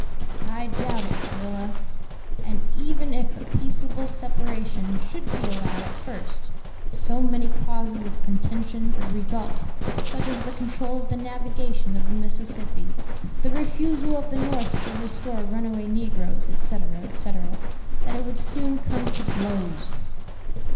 "I doubt it, Travilla; and even if a peaceable separation should be allowed at first, so many causes of contention would result (such as the control of the navigation of the Mississippi, the refusal of the North to restore runaway negroes, etc., etc.), that it would soon come to blows."